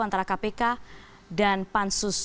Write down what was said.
antara kpk dan pansus